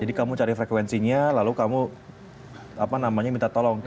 jadi kamu cari frekuensinya lalu kamu apa namanya minta tolong ke